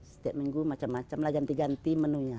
setiap minggu macam macam lah ganti ganti menunya